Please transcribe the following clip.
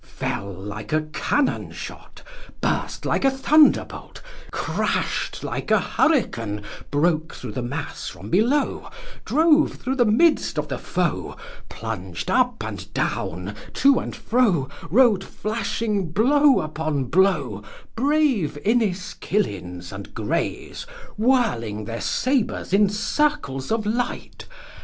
III. Fell like a cannonshot, Burst like a thunderbolt, Crash'd like a hurricane, Broke thro' the mass from below, Drove thro' the midst of the foe, Plunged up and down, to and fro, Rode flashing blow upon blow, Brave Inniskillens and Greys Whirling their sabres in circles of light!